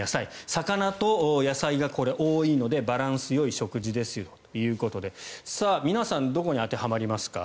魚と野菜が多いのでバランスよい食事ですよということで皆さんどこに当てはまりますか？